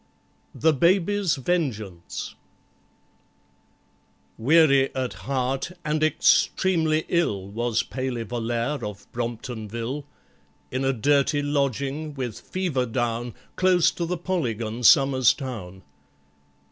THE BABY'S VENGEANCE WEARY at heart and extremely ill Was PALEY VOLLAIRE of Bromptonville, In a dirty lodging, with fever down, Close to the Polygon, Somers Town.